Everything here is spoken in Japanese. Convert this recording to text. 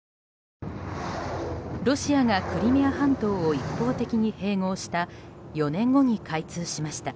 ロシアがクリミア半島を一方的に併合した４年後に開通しました。